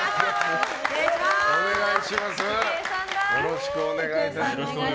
よろしくお願いします。